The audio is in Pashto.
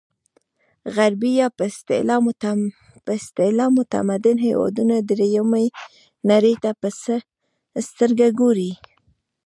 غربي یا په اصطلاح متمدن هېوادونه درېیمې نړۍ ته په څه سترګه ګوري.